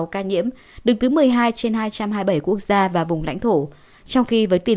ca nhiễm đứng thứ một mươi hai trên hai trăm hai mươi bảy quốc gia và vùng lãnh thổ trong khi với tỉ lệ số ca